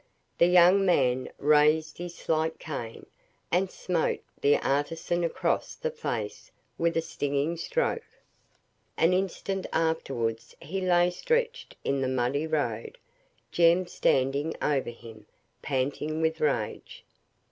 The young man raised his slight cane, and smote the artisan across the face with a stinging stroke. An instant afterwards he lay stretched in the muddy road, Jem standing over him, panting with rage.